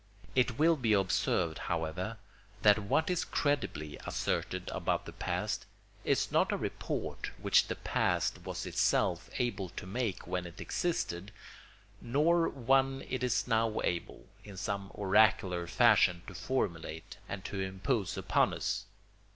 It will be observed, however, that what is credibly asserted about the past is not a report which the past was itself able to make when it existed nor one it is now able, in some oracular fashion, to formulate and to impose upon us.